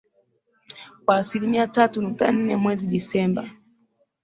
kwa asilimia tatu nukta nne mwezi disemba